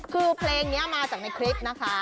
คือเพลงนี้มาจากในคลิปนะคะ